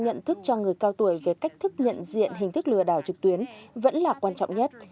nhận thức cho người cao tuổi về cách thức nhận diện hình thức lừa đảo trực tuyến vẫn là quan trọng nhất